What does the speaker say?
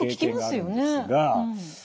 よく聞きますよね。